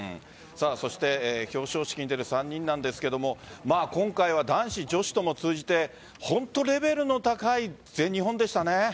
そして表彰式に出る３人ですが今回は男子女子とも通じて本当にレベルの高い全日本でしたね。